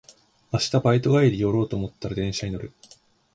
明日バイト帰り寄ろうと思ったら電車に乗る